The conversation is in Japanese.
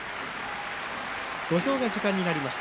土俵が時間になりました。